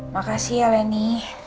makasih ya leni